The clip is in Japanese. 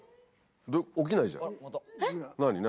起きないじゃん何？